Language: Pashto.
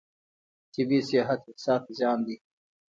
طبي سیاحت اقتصاد ته زیان دی.